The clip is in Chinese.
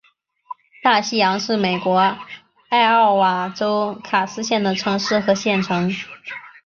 大西洋是美国艾奥瓦州卡斯县的城市和县城。